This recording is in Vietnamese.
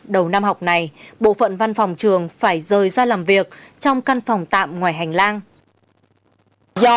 đầu năm học này bộ phận văn phòng trường phải rời ra làm việc trong căn phòng tạm ngoài hành lang